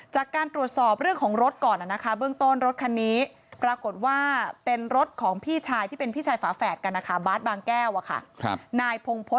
จากการตรวจสอบเรื่องของรถก่อนนะคะเบื้องต้นรถคันนี้ปรากฏว่าเป็นรถของพี่ชายที่เป็นพี่ชายฝาแฝดกันนะคะบาสบางแก้วนายพงพฤษ